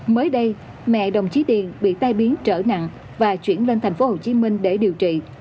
mới đây mẹ đồng chí tiền bị tai biến trở nặng và chuyển lên tp hcm để điều trị